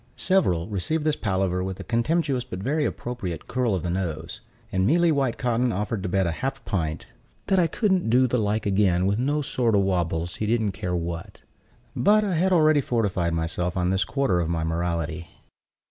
Several received this palaver with a contemptuous but very appropriate curl of the nose; and Mealy Whitecotton offered to bet a half pint "that I couldn't do the like again with no sort o' wabbles, he didn't care what." But I had already fortified myself on this quarter of my morality.